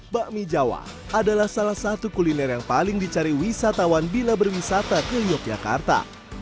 bakmi jawa adalah salah satu kuliner yang paling dicari wisatawan bila berwisata ke yogyakarta